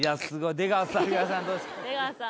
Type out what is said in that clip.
出川さん